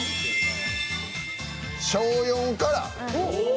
「小４から」。